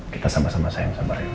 kita menyayangi rena